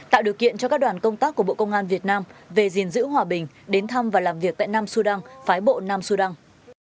tạo điều kiện cho các đoàn công tác của bộ công an việt nam về gìn giữ hòa bình đến thăm và làm việc tại nam su đăng phái bộ nam su đăng